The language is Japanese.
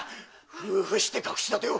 夫婦して隠し立てを！